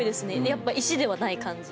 やっぱ石ではない感じ。